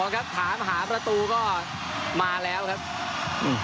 ๕๒ครับถามหาประตูก็